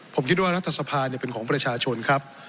ผมคิดว่ารัฐสภาเป็นของประชาชนครับ